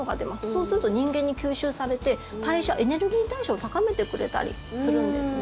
そうすると人間に吸収されてエネルギー代謝を高めてくれたりするんですね。